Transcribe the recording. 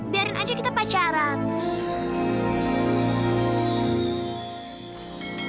biarin aja kita pacaran